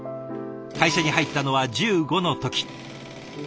会社に入ったのは１５の時。